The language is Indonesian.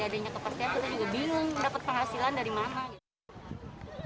dengan tidak adanya kepastian kita juga bingung dapat penghasilan dari mana